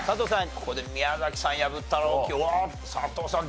ここで宮崎さん破ったらおっ佐藤さん